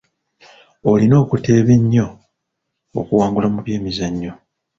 Olina okuteeba ennyo okuwangula mu byemizannyo.